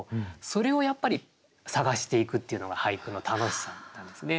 それをやっぱり探していくっていうのが俳句の楽しさなんですね。